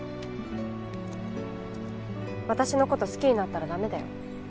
私の事好きになったら駄目だよ。